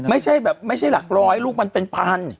ไม่ใช่แบบไม่ใช่หลักร้อยลูกมันเป็นพัน